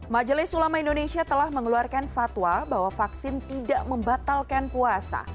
majelis ulama indonesia telah mengeluarkan fatwa bahwa vaksin tidak membatalkan puasa